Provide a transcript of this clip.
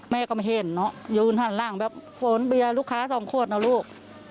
แม่ก็ไม่เห็นหรอกยืนทางล่างแบบโฟนเบียรุ้คค้า๒คั่วเท่าหน้าลูก